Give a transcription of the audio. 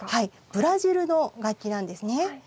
ブラジルの楽器なんですね。